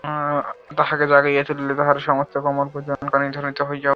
তাহাকে জাগাইয়া তুলিলেই তাহার সমস্ত কোমল কূজন কানে ধ্বনিত হইয়া উঠিবে।